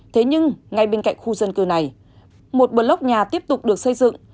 thế nhưng ngay bên cạnh khu dân cư này một bờ lốc nhà tiếp tục được xây dựng